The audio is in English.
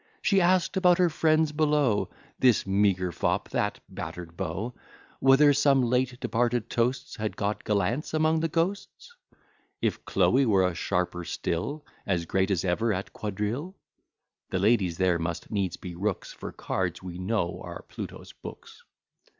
She ask'd about her friends below; This meagre fop, that batter'd beau; Whether some late departed toasts Had got gallants among the ghosts? If Chloe were a sharper still As great as ever at quadrille? (The ladies there must needs be rooks, For cards, we know, are Pluto's books.)